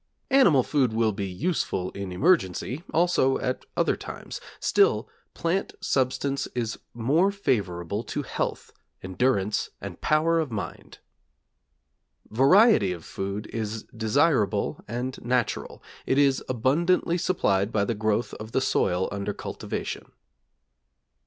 Animal food will be useful in emergency, also at other times; still, plant substance is more favorable to health, endurance, and power of mind. Variety of food is desirable and natural; it is abundantly supplied by the growth of the soil under cultivation.